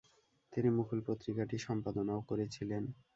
তিনি মুকুল পত্রিকাটি সম্পাদনাও করেছিলেন ।